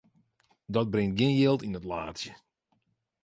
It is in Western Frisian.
Dat bringt gjin jild yn it laadsje.